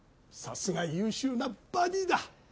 さすが優秀なバディだ。